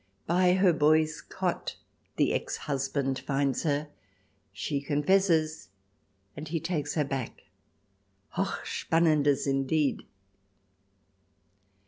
By her boy's cot the ex husband finds her ; she con fesses, and he takes her back. Hoch Spannendes, indeed